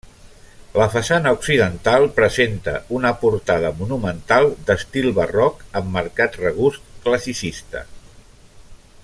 La façana occidental presenta una portada monumental d'estil barroc amb marcat regust classicista.